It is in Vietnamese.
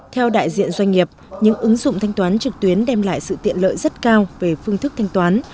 theo đại diện doanh nghiệp những ứng dụng thanh toán trực tuyến đem lại sự tiện lợi rất cao về phương thức thanh toán